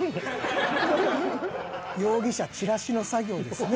容疑者散らしの作業ですね